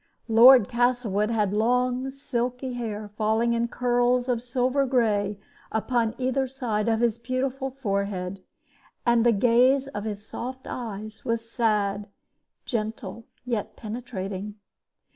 Lord Castlewood had long, silky hair, falling in curls of silver gray upon either side of his beautiful forehead, and the gaze of his soft dark eyes was sad, gentle, yet penetrating.